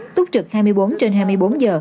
túc trực hai mươi bốn trên hai mươi bốn giờ